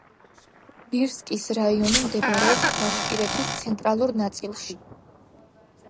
ბირსკის რაიონი მდებარეობს ბაშკირეთის ცენტრალურ ნაწილში.